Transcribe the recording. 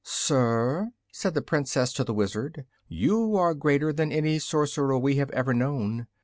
"Sir," said the Princess to the Wizard, "you are greater than any Sorcerer we have ever known.